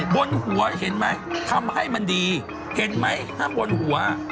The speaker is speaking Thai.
บนหัวเห็นไหมทำให้มันดีเห็นไหมถ้าบนหัว